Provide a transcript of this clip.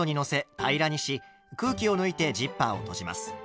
平らにし空気を抜いてジッパーを閉じます。